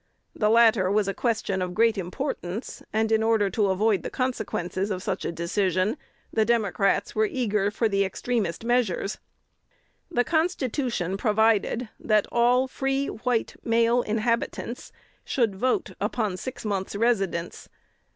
The latter was a question of great importance; and, in order to avoid the consequences of such a decision, the Democrats were eager for the extremest measures. The Constitution provided that all free white male inhabitants should vote upon six months' residence.